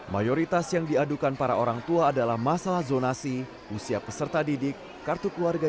mayoritas yang diadukan para orang tua adalah masalah zonasi usia peserta didik kartu keluarga